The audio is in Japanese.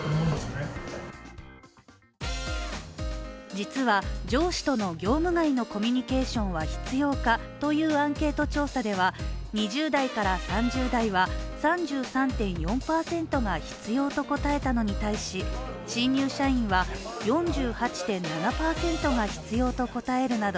実は、上司との業務外のコミュニケーションは必要かというアンケート調査では２０代から３０代は３３．４％が必要と答えたのに対し、新入社員は４８．７％が必要と答えるなど